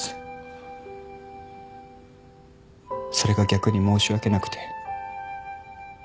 それが逆に申し訳なくて。